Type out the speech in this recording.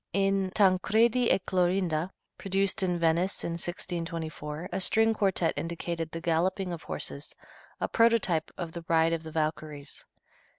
In "Tancredi e Clorinda," produced in Venice, in 1624, a string quartet indicated the galloping of horses, a prototype of the "Ride of the Valkyries."